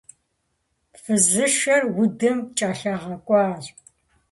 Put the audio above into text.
Фызышэр удым кӀэлъагъэкӀуащ.